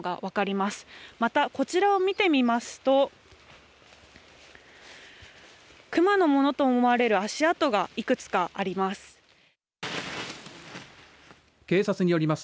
また、こちらを見てみますとクマのものとみられる足跡がいくつかあります。